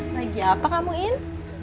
lagi apa kamu in